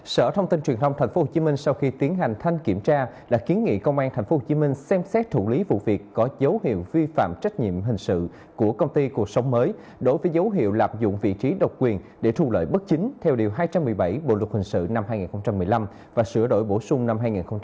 sở thông tin truyền thông tp hcm sau khi tiến hành thanh kiểm tra đã kiến nghị công an tp hcm xem xét thủ lý vụ việc có dấu hiệu vi phạm trách nhiệm hình sự của công ty cuộc sống mới đối với dấu hiệu lạc dụng vị trí độc quyền để thu lợi bất chính theo điều hai trăm một mươi bảy bộ luật hình sự năm hai nghìn một mươi năm và sửa đổi bổ sung năm hai nghìn một mươi bảy